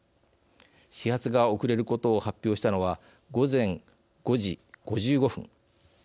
始発が遅れることを発表したのは午前５時５５分。